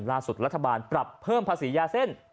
รัฐบาลปรับเพิ่มภาษียาเส้น